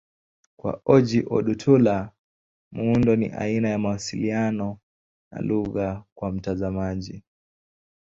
Kwa Ojih Odutola, muundo ni aina ya mawasiliano na lugha kwa mtazamaji.